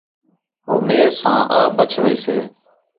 ہو مینسہ آ ٻچ ویسے